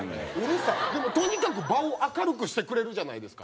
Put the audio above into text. でもとにかく場を明るくしてくれるじゃないですか。